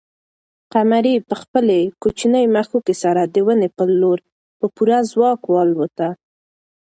قمرۍ په خپلې کوچنۍ مښوکې سره د ونې پر لور په پوره ځواک والوته.